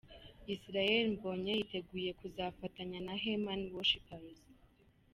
Israel Mbonyi yiteguye kuzafatanya na Heman worshipers.